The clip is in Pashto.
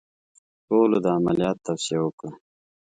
ټولو د عملیات توصیه وکړه.